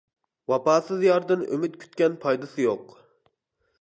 ۋاپاسىز ياردىن ئۈمىد كۈتكەن پايدىسى يوق.